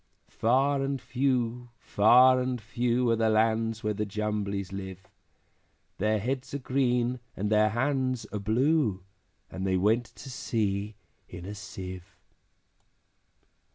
Far and few, far and few, Are the lands where the Jumblies live; Their heads are green, and their hands are blue, And they went to sea in a Sieve.